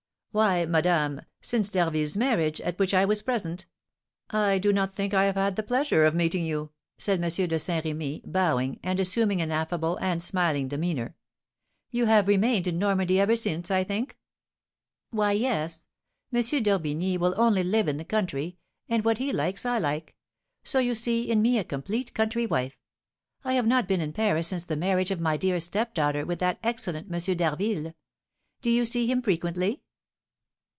"Why, madame, since D'Harville's marriage, at which I was present, I do not think I have had the pleasure of meeting you," said M. de Saint Remy, bowing, and assuming an affable and smiling demeanour. "You have remained in Normandy ever since, I think?" "Why, yes! M. d'Orbigny will only live in the country, and what he likes I like; so you see in me a complete country wife. I have not been in Paris since the marriage of my dear stepdaughter with that excellent M. d'Harville. Do you see him frequently?"